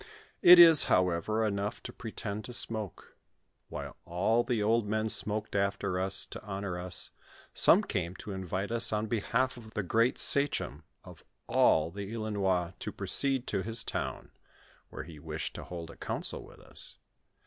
It is, however, enough to pre tend to smoke. While all the old men smoked after us to honor us, some came to invite us on behalf of the great sa chem of all the Ilinois to proceed to his town, where he wished to hold a council with us.